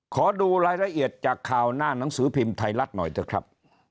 ขอดูรายละเอียดจากข่าวหน้าหนังสือพิมพ์ไทยรัฐหน่อยเถอะครับ